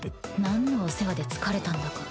なんのお世話で疲れたんだか。